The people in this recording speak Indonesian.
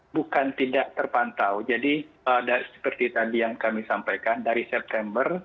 bukan tidak terpantau jadi seperti tadi yang kami sampaikan dari september